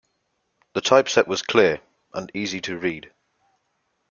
The typeset was clear and easy to read.